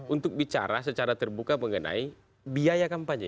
untuk bicara secara terbuka mengenai biaya kampanye